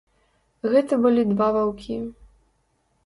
Гэта былі два ваўкі.